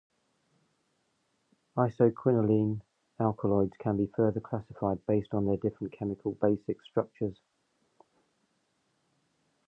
Isoquinoline alkaloids can be further classified based on their different chemical basic structures.